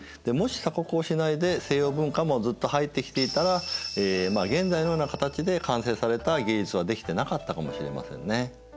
もし鎖国をしないで西洋文化もずっと入ってきていたら現在のような形で完成された芸術は出来てなかったかもしれませんね。